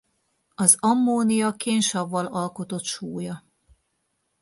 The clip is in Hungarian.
Az ammónia kénsavval alkotott sója.